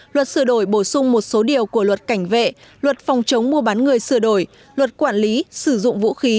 luật sửa đổi bổ sung một số điều của luật cảnh vệ luật phòng chống mua bán người sửa đổi luật quản lý sử dụng vũ khí